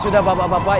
ya sudah bapak bapak